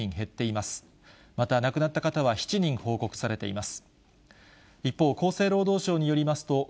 また亡くなった方は７人報告されています。